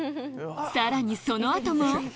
さらにその後も！